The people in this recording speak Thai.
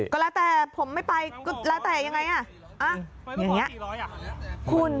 ก็แล้วแต่ผมไม่ไปก็แล้วแต่ยังไงเนี่ย